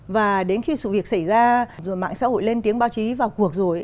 và đến khi sự việc xảy ra rồi mạng xã hội lên tiếng báo chí vào cuộc rồi